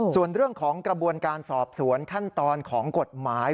ส่วนเรื่องของกระบวนการสอบสวนขั้นตอนของกฎหมาย